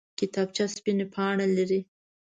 کتابچه سپینه پاڼه لري